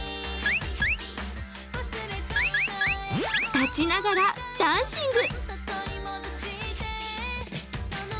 立ちながらダンシング！